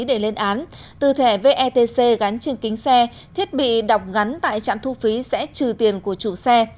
để lên án từ thẻ vetc gắn trên kính xe thiết bị đọc ngắn tại trạm thu phí sẽ trừ tiền của chủ xe